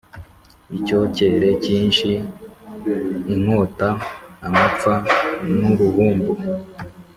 icyokere cyinshi, inkota, amapfa n’uruhumbu